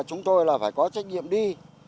chúng tôi là phải có trách nhiệm đi